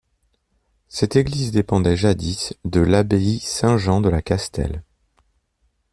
Cette église dépendait jadis de l’abbaye Saint-Jean de la Castelle.